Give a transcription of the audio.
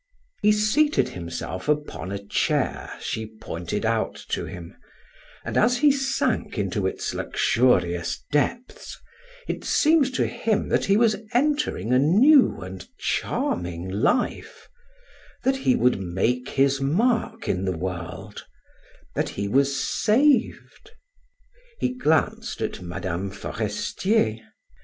He seated himself upon a chair she pointed out to him, and as he sank into its luxurious depths, it seemed to him that he was entering a new and charming life, that he would make his mark in the world, that he was saved. He glanced at Mme. Forestier.